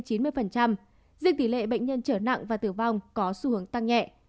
riêng tỷ lệ bệnh nhân trở nặng và tử vong có xu hướng tăng nhẹ